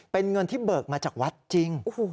เป็นเงินที่เบิกมาจากวัดจริง